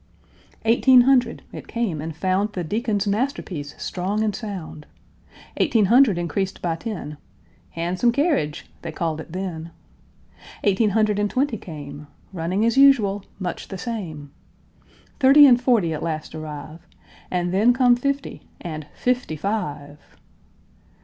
EIGHTEEN HUNDRED; It came and found The Deacon's masterpiece strong and sound. Eighteen hundred increased by ten; "Hahnsum kerridge" they called it then. Eighteen hundred and twenty came; Running as usual; much the same. Thirty and forty at last arrive, And then come fifty, and FIFTY FIVE.